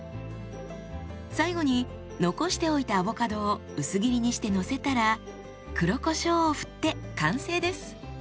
最後に残しておいたアボカドを薄切りにしてのせたら黒こしょうを振って完成です。